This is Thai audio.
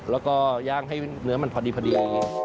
แล้วก็ย่างให้เนื้อมันพอดี